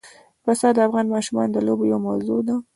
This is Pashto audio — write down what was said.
پسه د افغان ماشومانو د لوبو یوه موضوع ده.